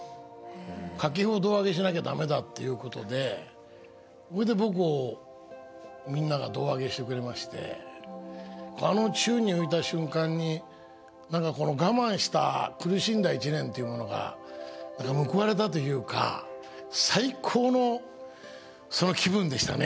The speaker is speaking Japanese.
「掛布を胴上げしなきゃ駄目だ」っていうことでそれで僕をみんなが胴上げしてくれましてあの宙に浮いた瞬間にこの我慢した苦しんだ１年というものが報われたというか最高の気分でしたね